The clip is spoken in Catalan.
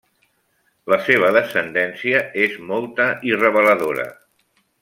La seva descendència és molta, i reveladora.